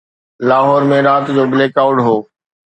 لاهور ۾ رات جو blackout هو.